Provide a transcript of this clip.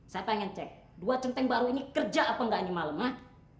saya pengen cek dua centeng baru ini kerja apa engga ini malem hah